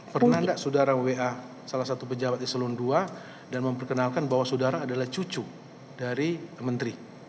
pernah nggak saudara wa salah satu pejabat eselon ii dan memperkenalkan bahwa saudara adalah cucu dari menteri